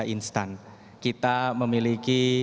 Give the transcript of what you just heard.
dilangkan kita memiliki